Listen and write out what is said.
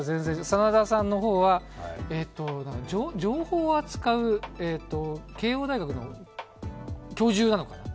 真田さんの方は情報を扱う慶応大学の教授なのかな